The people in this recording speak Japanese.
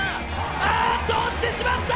あーっと落ちてしまった！